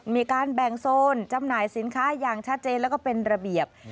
มีการแบ่งโซนจำหน่ายสินค้าอย่างชัดเจนแล้วก็เป็นระเบียบ